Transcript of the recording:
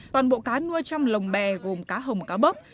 toàn bộ cá nuôi trong lồng bè gồm cá hồng cá bớp